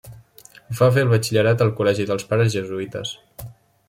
Va fer el batxillerat al Col·legi dels Pares Jesuïtes.